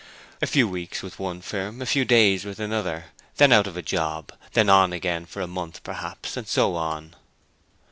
A few weeks with one firm, a few days with another, then out of a job, then on again for a month perhaps, and so on.